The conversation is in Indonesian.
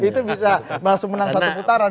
itu bisa langsung menang satu putaran gitu kan